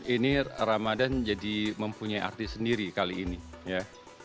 ini ramadan jadi mempunyai arti sendiri kali ini ya